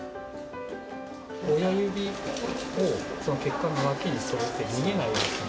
親指を血管の脇に添えて、逃げないようにする。